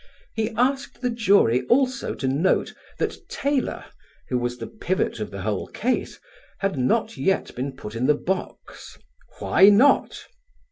He asked the jury also to note that Taylor, who was the pivot of the whole case, had not yet been put in the box. Why not?